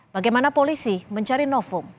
bagaimana polisi mencari novum